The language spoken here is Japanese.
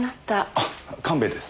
あっ神戸です。